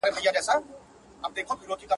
د کتاب تر اشو ډېر دي زما پر مخ ښکلي خالونه.